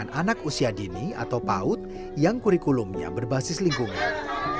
dengan anak usia dini atau paut yang kurikulumnya berbasis lingkungan